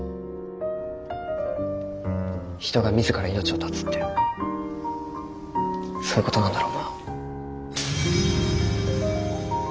人が自ら命を絶つってそういう事なんだろうな。